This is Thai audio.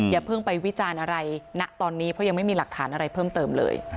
อย่าเพิ่งไปวิจารณ์อะไรณตอนนี้เพราะยังไม่มีหลักฐานอะไรเพิ่มเติมเลย